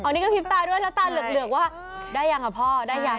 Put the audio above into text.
นี่กระพริบตาด้วยแล้วตาเหลือกว่าได้ยังอ่ะพ่อได้ยัง